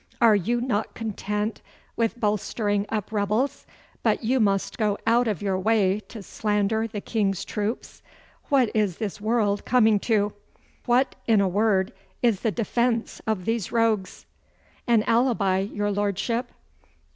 Are you not content with bolstering up rebels, but you must go out of your way to slander the King's troops? What is this world coming to? What, in a word, is the defence of these rogues?' 'An alibi, your Lordship.